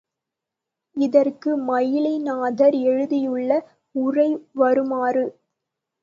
இதற்கு மயிலை நாதர் எழுதியுள்ள உரை வருமாறு.